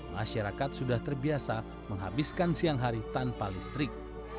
masyarakat sudah terbiasa menghabiskan siang hari tanpa listrik